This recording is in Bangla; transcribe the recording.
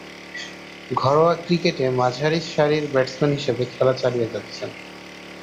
ঘরোয়া ক্রিকেটে মাঝারি-সারির ব্যাটসম্যান হিসেবে খেলা চালিয়ে যাচ্ছেন।